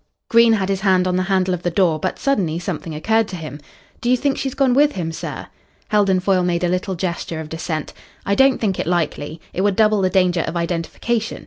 Green had his hand on the handle of the door, but suddenly something occurred to him. "Do you think she's gone with him, sir?" Heldon Foyle made a little gesture of dissent. "I don't think it likely. It would double the danger of identification.